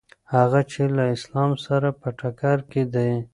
هغه چې له اسلام سره په ټکر کې دي.